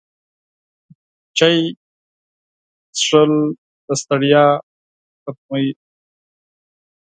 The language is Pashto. چای څښل د ستړیا ختموي